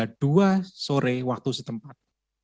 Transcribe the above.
sampai saatnya sore waktu setempat